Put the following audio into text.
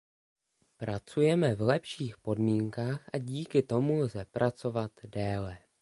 Pracujeme v lepších podmínkách a díky tomu lze pracovat déle.